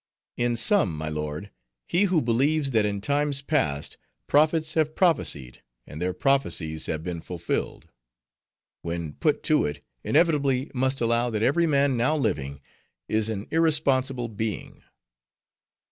In sum, my lord, he who believes that in times past, prophets have prophesied, and their prophecies have been fulfilled; when put to it, inevitably must allow that every man now living is an irresponsible being."